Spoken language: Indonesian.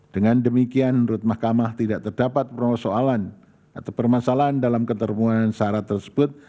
dengan demikian menurut mahkamah tidak terdapat persoalan atau permasalahan dalam keterbuan syarat tersebut